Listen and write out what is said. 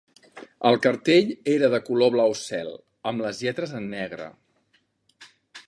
El cartell era de color blau cel, amb les lletres en negre.